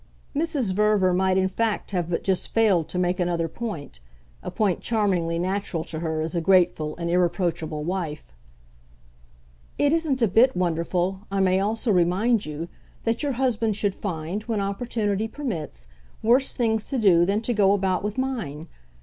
Mrs. Verver might in fact have but just failed to make another point, a point charmingly natural to her as a grateful and irreproachable wife. "It isn't a bit wonderful, I may also remind you, that your husband should find, when opportunity permits, worse things to do than to go about with mine.